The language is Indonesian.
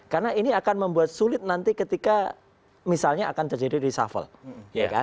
karena ini akan membuat sulit nanti ketika misalnya akan terjadi reshuffle